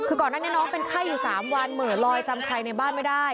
คือก่อนหน้านี้น้องเป็นไข้อยู่๓วันเหมือนลอยจำใครในบ้านไม่ได้